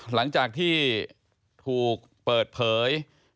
หลังจากที่ถูกเปิดเผย